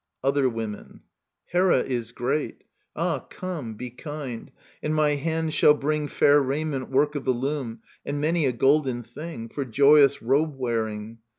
Other Women. Hera is great !— Ah, come, [Antistrophe. Be kind ; and my hand shall bring Fair raiment, work of the lopm, And many a golden thing, For joyous robe wearing.